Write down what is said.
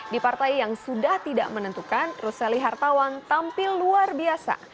di partai yang sudah tidak menentukan roseli hartawan tampil luar biasa